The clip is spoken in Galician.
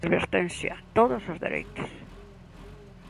Advertencia: todos os dereitos...